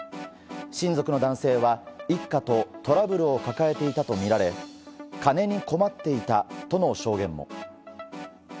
親族の男性は一家とトラブルを抱えていたとみられ金に困っていたとの証言も。